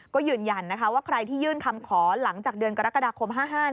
ก็ยืนยันนะคะว่าใครที่ยื่นคำขอหลังจากเดือนกรกฎาคม๕๕